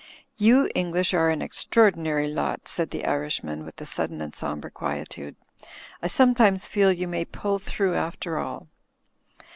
"You English are an extraordinary lot," said the Irishman, with a sudden and sombre quietude. "I sometimes feel you may pull through after all."